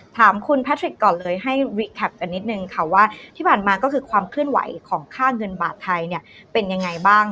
ถามคุณแพทริกก่อนเลยให้วิแคปกันนิดนึงค่ะว่าที่ผ่านมาก็คือความเคลื่อนไหวของค่าเงินบาทไทยเนี่ยเป็นยังไงบ้าง